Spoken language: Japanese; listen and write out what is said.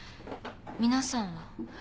皆さんは？